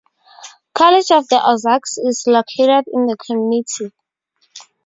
College of the Ozarks is located in the community.